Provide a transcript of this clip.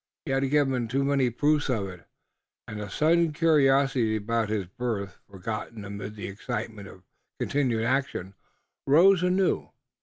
He had given too many proofs of it, and a sudden curiosity about his birth, forgotten amid the excitement of continued action, rose anew.